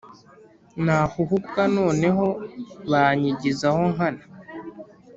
Nahuhuka noneho banyigizaho nkana